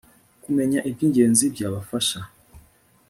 kumenya ibyingenzi byabafasha